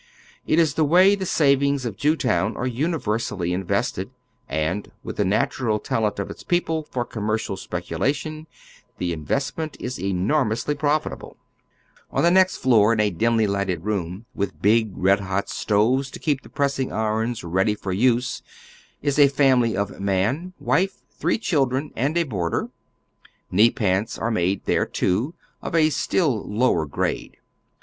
It is the way the savings of Jewtown are uni versally invested, and with the natural talent of its people for comtQercial speculation the investment is enormously profitable. oyGoogle „Google 128 HOW THE OTHER HALF LIVES, On the next floor, in a dimly lighted room with a big red hot stove to keep the pressing irons ready for use, is a family of mao, wife, tliree children, and a boarder. " Knee pants " are made there too, of a stili lower grade.